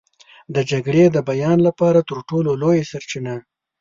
د جګړې د بیان لپاره تر ټولو لویه سرچینه.